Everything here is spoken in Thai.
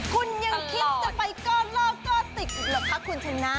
คุณยังคิดจะไปก้อล่อก้อติกหรือเปล่าคะคุณชนะ